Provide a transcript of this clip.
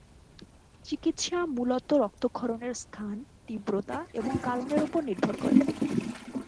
চিকিৎসা মূলত রক্তক্ষরণের স্থান, তীব্রতা, এবং কারণের ওপর নির্ভর করে।